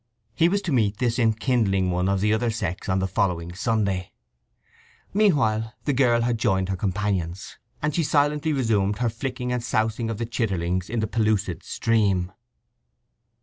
He was to meet this enkindling one of the other sex on the following Sunday. Meanwhile the girl had joined her companions, and she silently resumed her flicking and sousing of the chitterlings in the pellucid stream.